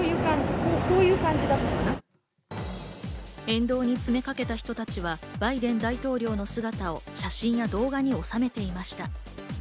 沿道に詰めかけた人たちはバイデン大統領の姿を写真や動画に収めていました。